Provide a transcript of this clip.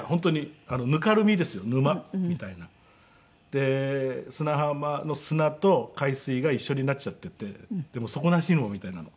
で砂浜の砂と海水が一緒になっちゃっていて底なし沼みたいなの。